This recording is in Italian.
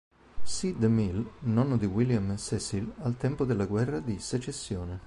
C. de Mille, nonno di William e Cecil al tempo della guerra di secessione.